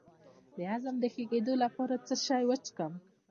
د هضم د ښه کیدو لپاره څه شی وڅښم؟